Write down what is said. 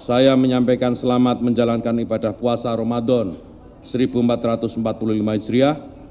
saya menyampaikan selamat menjalankan ibadah puasa ramadan seribu empat ratus empat puluh lima hijriah